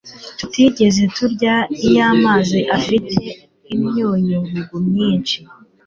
tutigeze turya Iyo amazi afite imyunyu ngugu myinshi